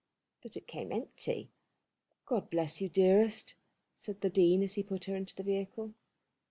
But it came empty. "God bless you, dearest," said the Dean as he put her into the vehicle.